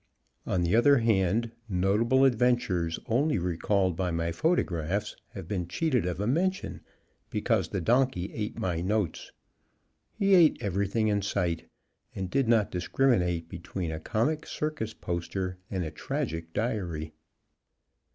On the other hand, notable adventures only recalled by my photographs have been cheated of a mention, because the donkey ate my notes he ate everything in sight, and did not discriminate between a comic circus poster and a tragic diary.